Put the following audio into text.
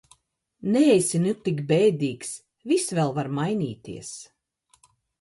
Neesi nu tik bēdīgs, viss vēl var mainīties!